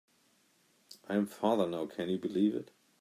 I am father now, can you believe it?